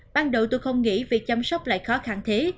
ban đầu tôi không nghĩ việc chăm sóc lại khó khăn thế